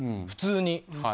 普通に。